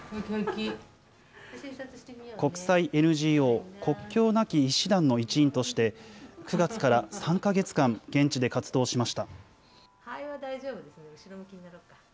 国際ＮＧＯ国境なき医師団の一員として、９月から３か月間、現地で活動しました。